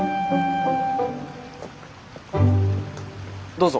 どうぞ。